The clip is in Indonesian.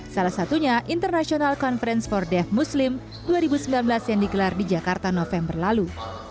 salah satunya international conference for dev muslim dua ribu sembilan belas yang digelar di jakarta november lalu